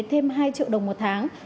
thêm hai triệu đồng một tháng